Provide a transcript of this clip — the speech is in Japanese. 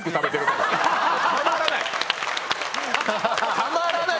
たまらない！